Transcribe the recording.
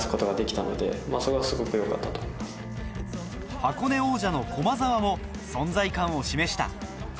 箱根王者の駒澤も存在感を示した。